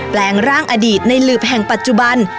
แปลงร่างอดีตในหลืบแห่งปัจจุบัน